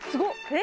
え！